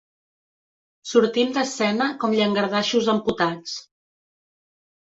Sortim d'escena com llangardaixos amputats.